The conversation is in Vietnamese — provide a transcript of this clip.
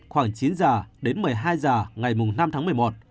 khoảng chín h đến một mươi hai h ngày năm tháng một mươi một